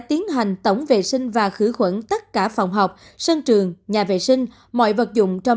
tiến hành tổng vệ sinh và khử khuẩn tất cả phòng học sân trường nhà vệ sinh mọi vật dụng trong